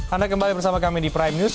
anda kembali bersama kami di prime news